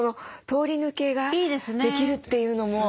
通り抜けができるっていうのも。